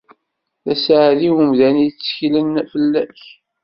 D aseɛdi umdan itteklen fell-ak!